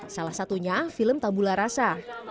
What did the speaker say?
salah satunya film tabula rasa